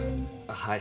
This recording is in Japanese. はい。